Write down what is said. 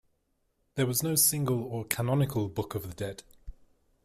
There was no single or canonical "Book of the Dead".